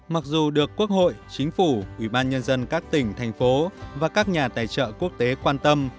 mặc dù được quốc hội chính phủ ủy ban nhân dân các tỉnh thành phố và các nhà tài trợ quốc tế quan tâm